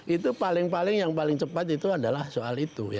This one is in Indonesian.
itu paling paling yang paling cepat itu adalah soal itu